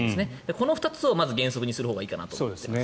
この２つをまず原則にするほうがいいかなと思っています。